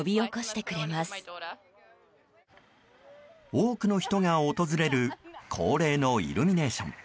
多くの人が訪れる恒例のイルミネーション。